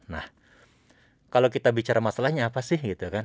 nah kalau kita bicara masalahnya apa sih gitu kan